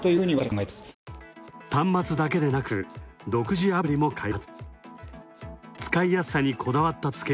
端末だけでなく独自アプリも開発。